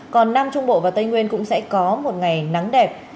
còn nam trung bộ và tây nguyên cũng sẽ có một ngày nắng đẹp